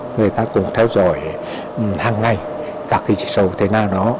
người ta cũng theo dõi hàng ngày các cái dịch sổ thế nào đó